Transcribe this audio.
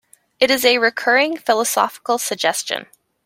It is a recurring philosophical suggestion.